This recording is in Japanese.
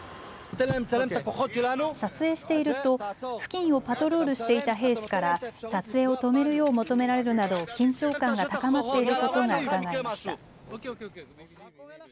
撮影していると付近をパトロールしていた兵士から撮影を止めるよう求められるなど緊張感が高まっていることがうかがえました。